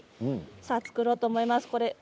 さあ作ろうと思います。